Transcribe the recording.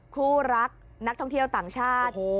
คู่รักนักท่องเที่ยวต่างชาติ